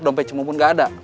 dompet cemumun gak ada